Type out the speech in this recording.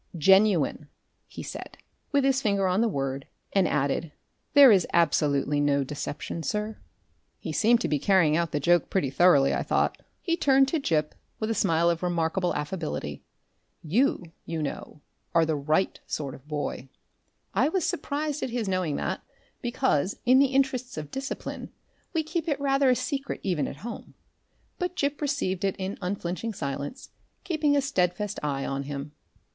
"Genuine," he said, with his finger on the word, and added, "There is absolutely no deception, sir." He seemed to be carrying out the joke pretty thoroughly, I thought. He turned to Gip with a smile of remarkable affability. "You, you know, are the Right Sort of Boy." I was surprised at his knowing that, because, in the interests of discipline, we keep it rather a secret even at home; but Gip received it in unflinching silence, keeping a steadfast eye on him.